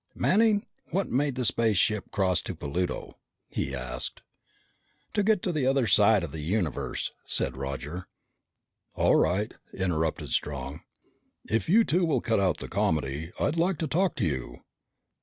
"Manning, what made the spaceship cross to Pluto?" he asked. "To get to the other side of the universe," said Roger. "All right," interrupted Strong. "If you two will cut out the comedy, I'd like to talk to you."